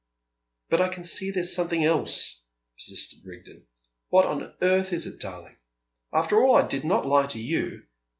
"But I can see there's something else," persisted Rigden. "What on earth is it, darling? After all I did not lie to you!"